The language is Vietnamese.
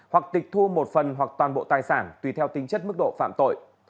hoặc tịch thu một phần hoặc toàn bộ tài sản tùy theo tính chất mức độ phạm tội